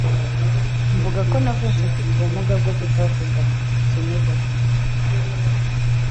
mvuga ko navutse mfite ubumuga bwo kutavuga( ikiragi)